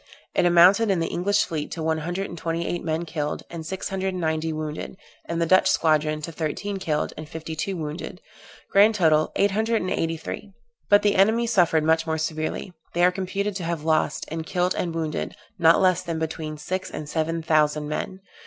It amounted in the English fleet, to one hundred and twenty eight men killed, and six hundred and ninety wounded; in the Dutch squadron, to thirteen killed, and fifty two wounded; grand total, eight hundred and eighty three. But the enemy suffered much more severly; they are computed to have lost, in killed and wounded, not less than between six and seven thousand men.